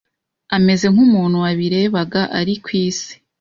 ameze nk’umuntu wabirebaga ari ku isi